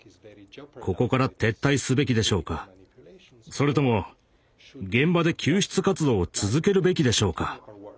それとも現場で救出活動を続けるべきでしょうか」。